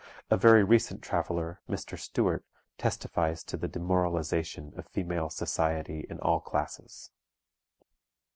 A very recent traveler, Mr. Stewart, testifies to the demoralization of female society in all classes.